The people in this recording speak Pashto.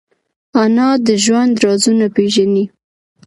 انا د ژوند رازونه پېژني